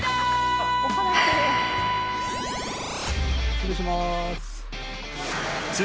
失礼します。